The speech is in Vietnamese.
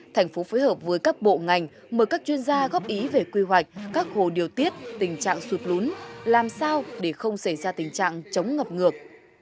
thành phố phối hợp với các bộ ngành mời các chuyên gia góp ý về quy hoạch các hồ điều tiết tình trạng sụt lún làm sao để không xảy ra tình trạng chống ngập ngược